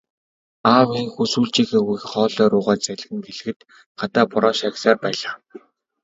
Аав ийнхүү сүүлчийнхээ үгийг хоолой руугаа залгин хэлэхэд гадаа бороо шаагьсаар байлаа.